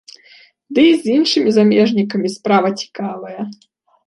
Дый з іншымі замежнікамі справа цікавая.